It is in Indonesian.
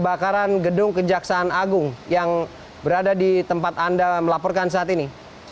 kebakaran gedung kejaksaan agung yang berada di tempat anda melaporkan saat ini